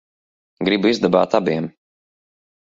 Gribu izdabāt abiem.